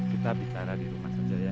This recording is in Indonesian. kita bicara di rumah saja ya